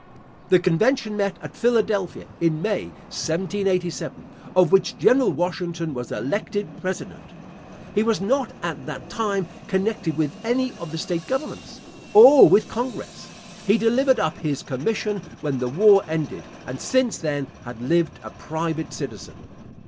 The convention met at Philadelphia in May, 1787, of which General Washington was elected president. He was not at that time connected with any of the state governments, or with congress. He delivered up his commission when the war ended, and since then had lived a private citizen.